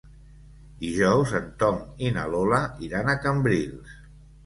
Dijous en Tom i na Lola iran a Cambrils.